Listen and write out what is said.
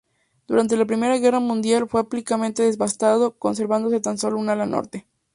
Durante la Primera Guerra Mundial fue ampliamente devastado, conservándose tan sólo su ala norte.